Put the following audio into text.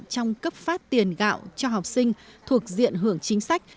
trong cấp phát tiền gạo cho học sinh thuộc diện hưởng chính sách